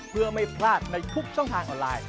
เพื่อไม่พลาดในทุกช่องทางออนไลน์